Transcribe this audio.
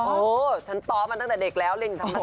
โอ้โหฉันตอบมันตั้งแต่เด็กแล้วเล่นอยู่ธรรมศาสตร์